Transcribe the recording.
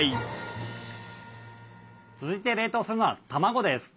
続いて冷凍するのは卵です。